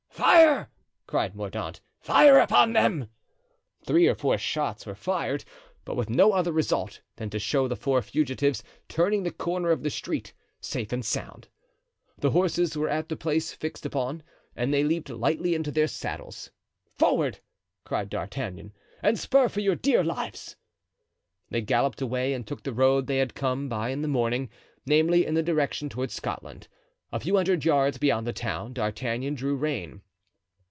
"Fire!" cried Mordaunt; "fire upon them!" Three or four shots were fired, but with no other result than to show the four fugitives turning the corner of the street safe and sound. The horses were at the place fixed upon, and they leaped lightly into their saddles. "Forward!" cried D'Artagnan, "and spur for your dear lives!" They galloped away and took the road they had come by in the morning, namely, in the direction toward Scotland. A few hundred yards beyond the town D'Artagnan drew rein.